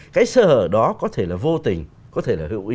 cái sơ hở đó có thể là vô tình có thể là hữu ý